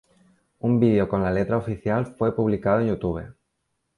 Un video con la letra oficial fue publicado en YouTube.